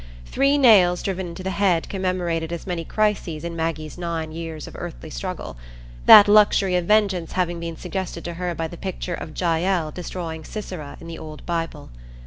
Three nails driven into the head commemorated as many crises in Maggie's nine years of earthly struggle; that luxury of vengeance having been suggested to her by the picture of Jael destroying Sisera in the old Bible.